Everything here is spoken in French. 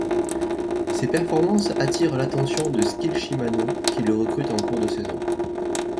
Ces performances attirent l'attention de Skil-Shimano qui le recrute en cours de saison.